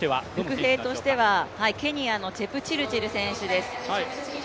伏兵としては、ケニアのチェプチルチル選手です。